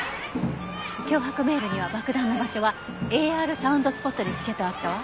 脅迫メールには「爆弾の場所はＡＲサウンドスポットに聞け」とあったわ。